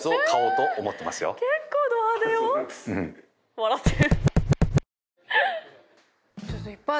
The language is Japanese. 笑ってる。